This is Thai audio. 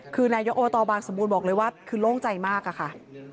คือนายกอบตบางสมบูรณ์บอกเลยว่าคือโล่งใจมากอะค่ะ